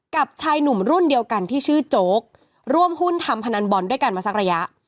ชายหนุ่มรุ่นเดียวกันที่ชื่อโจ๊กร่วมหุ้นทำพนันบอลด้วยกันมาสักระยะ